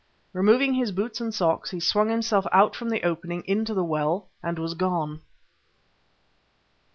Removing his boots and socks, he swung himself out from the opening into the well and was gone.